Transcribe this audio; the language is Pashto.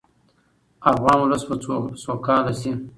افغان ولس به سوکاله شي.